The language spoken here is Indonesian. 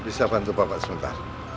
bisa bantu bapak sebentar